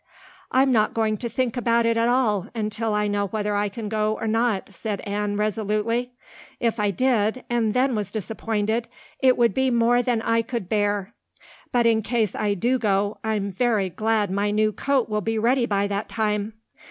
"I'm not going to think about it at all until I know whether I can go or not," said Anne resolutely. "If I did and then was disappointed, it would be more than I could bear. But in case I do go I'm very glad my new coat will be ready by that time.